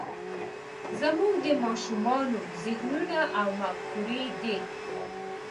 زموږ د ماشومانو ذهنونه او فکرونه دي.